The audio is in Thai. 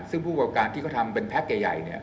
ซึ่งผู้กับการที่เขาทำเป็นแพ็คใหญ่ใหญ่เนี้ย